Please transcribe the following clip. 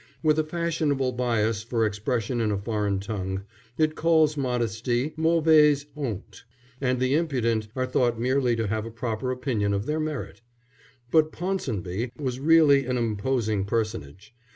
With a fashionable bias for expression in a foreign tongue it calls modesty mauvaise honte; and the impudent are thought merely to have a proper opinion of their merit. But Ponsonby was really an imposing personage.